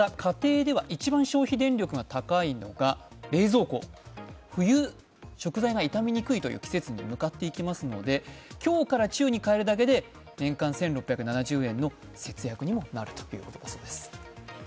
家庭では一番消費電力が高いのが冷蔵庫、冬、食材が傷みにくいという季節に向かっていきますので強から中に変えるだけで年間でかなりの節約にもなるということだそうです。